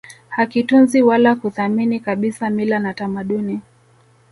hakitunzi wala kuthamini kabisa mila na tamaduni